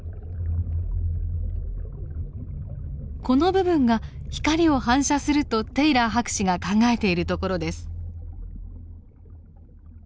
この部分が光を反射するとテイラー博士が考えているところです。